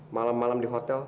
malam malam di hotel